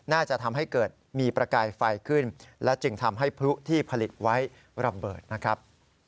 น่าจะทำให้เกิดมีประกายไฟขึ้นและจึงทำให้พลุที่ผลิตไว้ระเบิดนะครับ